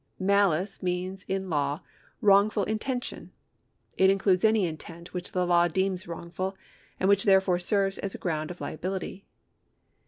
Malice means in law wrongful intention. It includes any intent which the law deems wrongful, and which therefore serves as a ground of liability.